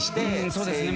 そうですね。